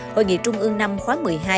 hội nghị trung ương năm khoáng một mươi hai